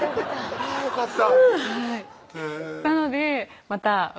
あぁよかった！